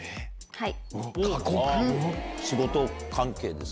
はい。